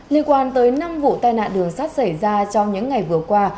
liên quan tới năm vụ tai nạn đường sắt xảy ra trong những ngày vừa qua